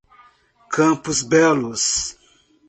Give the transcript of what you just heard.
Campos Belos